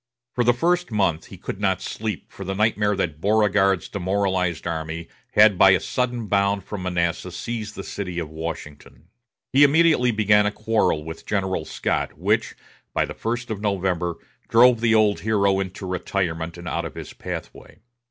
For the first month he could not sleep for the nightmare that Beauregard's demoralized army had by a sudden bound from Manassas seized the city of Washington. He immediately began a quarrel with General Scott, which, by the first of November, drove the old hero into retirement and out of his pathway.